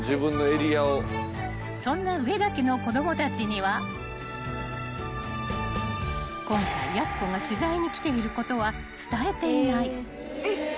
［そんな上田家の子供たちには今回やす子が取材に来ていることは伝えていない］えっ？